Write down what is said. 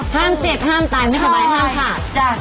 ห้ามเจ็บห้ามตายไม่สบายห้ามขาด